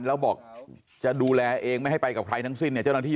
แล้วบอกจะดูแลเองไม่ให้ไปกับใครทั้งสิ้นเนี่ยเจ้าหน้าที่